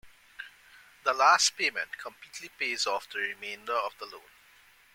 The last payment completely pays off the remainder of the loan.